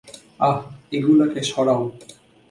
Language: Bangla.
আহ্, এগুলোকে সরাও!